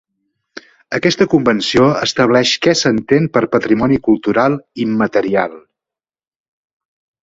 Aquesta Convenció estableix què s'entén per "patrimoni cultural immaterial".